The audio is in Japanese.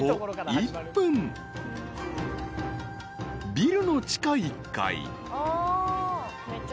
［ビルの地下１階］